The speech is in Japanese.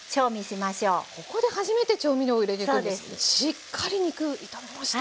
しっかり肉炒めました。